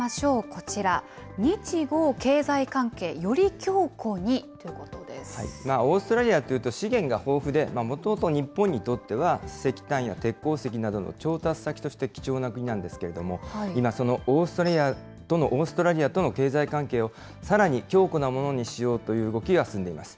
こちら、日豪経済関係より強固にオーストラリアというと、資源が豊富で、もともと日本にとっては、石炭や鉄鉱石などの調達先として貴重な国なんですけれども、今そのオーストラリアとの経済関係をさらに強固なものにしようという動きが進んでいます。